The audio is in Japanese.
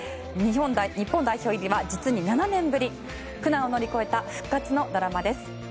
日本代表入りは実に７年ぶり苦難を乗り越えた復活のドラマです。